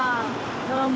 どうも。